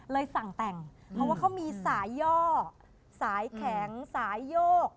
สั่งแต่งเพราะว่าเขามีสายย่อสายแข็งสายโยก